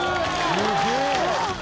すげえ。